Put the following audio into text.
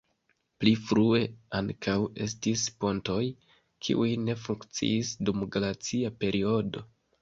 Pli frue ankaŭ estis pontoj, kiuj ne funkciis dum glacia periodo.